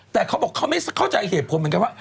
แต่เขาบอกเขาไม่เข้าใจเหตุผลเหมือนกันว่า